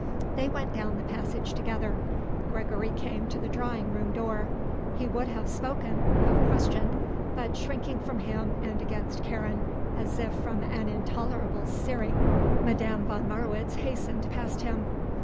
They went down the passage together. Gregory came to the drawing room door. He would have spoken, have questioned, but, shrinking from him and against Karen, as if from an intolerable searing, Madame von Marwitz hastened past him.